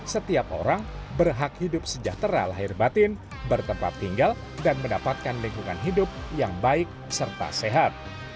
setiap orang berhak hidup sejahtera lahir batin bertempat tinggal dan mendapatkan lingkungan hidup yang baik serta sehat